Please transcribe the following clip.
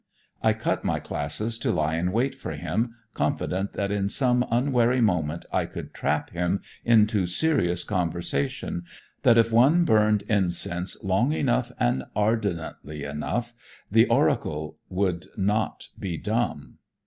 I cut my classes to lie in wait for him, confident that in some unwary moment I could trap him into serious conversation, that if one burned incense long enough and ardently enough, the oracle would not be dumb.